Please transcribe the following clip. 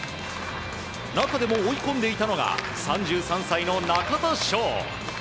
中でも追い込んでいたのが３３歳の中田翔。